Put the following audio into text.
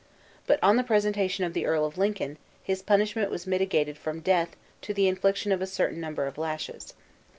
But on the presentation of the Earl of Lincoln, his punishment was mitigated from death to the infliction of a certain number of lashes.